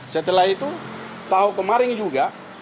setelah itu tahun kemarin juga